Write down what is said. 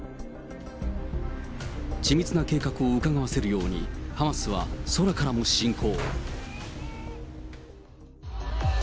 ち密な計画をうかがわせるように、ハマスは空からも侵攻。